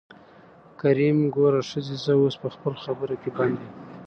کريم : ګوره ښځې زه اوس په خپله خبره کې بند يم.